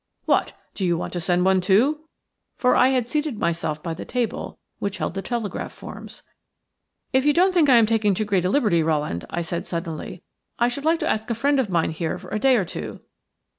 What! do you want to send one too?" For I had seated myself by the table which held the telegraph forms. "If you don't think I am taking too great a liberty, Rowland," I said, suddenly, "I should like to ask a friend of mine here for a day or two."